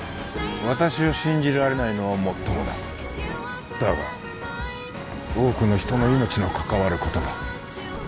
私を信じられないのはもっともだだが多くの人の命の関わることだ